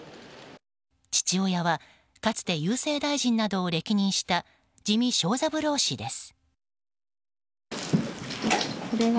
父親はかつて郵政大臣などを歴任した自見庄三郎氏です。